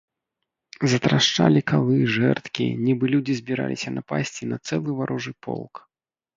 Затрашчалі калы, жэрдкі, нібы людзі збіраліся напасці на цэлы варожы полк.